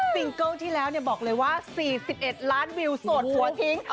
เกิลที่แล้วบอกเลยว่า๔๑ล้านวิวโสดหัวทิ้ง